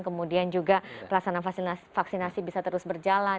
kemudian juga pelaksanaan vaksinasi bisa terus berjalan